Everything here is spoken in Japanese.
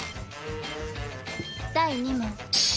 第２問。